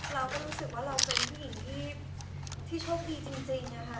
เราก็รู้สึกว่าเราเป็นผู้หญิงที่โชคดีจริงนะคะ